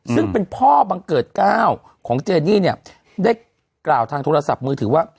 ซึ่งเป็นพ่อบังเกิด๙ของเจนี่เนี่ยได้กล่าวทางโทรศัพท์มือถือว่า